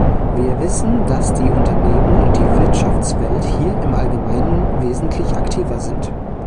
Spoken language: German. Wir wissen, dass die Unternehmen und die Wirtschaftswelt hier im Allgemeinen wesentlich aktiver sind.